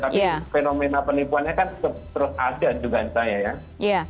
tapi fenomena penipuannya kan terus ada dugaan saya ya